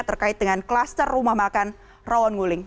terkait dengan kluster rumah makan rawon nguling